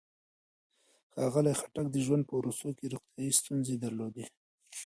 ښاغلي خټک د ژوند په وروستیو کې روغتيايي ستونزې درلودې.